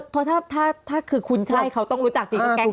เพราะถ้าคือคุณใช่เขาต้องรู้จักสิทธิ์กับแกงเขานี่